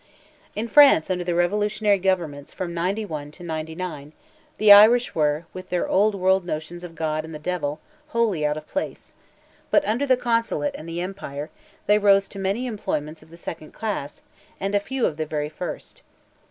In France, under the revolutionary governments from '91 to '99, the Irish were, with their old world notions of God and the Devil, wholly out of place; but under the Consulate and the Empire, they rose to many employments of the second class, and a few of the very first.